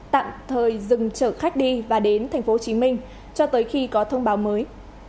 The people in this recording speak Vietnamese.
tạm thời dừng chở khách đi và đến tp hcm cho tới khi có thông báo mới